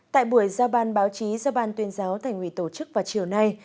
tại buổi giao ban báo chí do ban tuyên giáo thành ủy tổ chức vào chiều nay